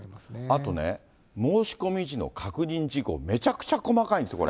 あとね、申し込み時の確認事項、めちゃくちゃ細かいんですよ、これ。